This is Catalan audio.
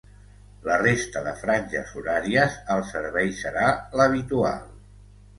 La resta de franges horàries, el servei serà l'habitual.